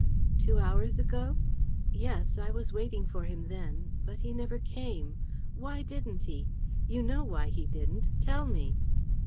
"Two hours ago? Yes. I was waiting for him then. But he never came. Why didn't he? You know why he didn't. Tell me!"